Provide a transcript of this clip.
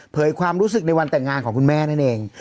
ความรู้สึกในวันแต่งงานของคุณแม่นั่นเอง